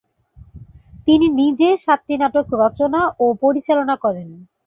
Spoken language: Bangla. তিনি নিজে সাতটি নাটক রচনা ও পরিচালনা করেন।